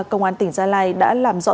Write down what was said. công an tỉnh gia lai đã làm rõ